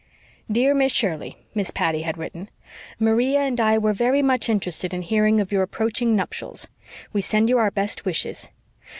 "Dear Miss Shirley," Miss Patty had written, "Maria and I were very much interested in hearing of your approaching nuptials. We send you our best wishes.